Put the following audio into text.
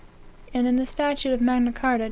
And in the statute of Magna Carta, ch.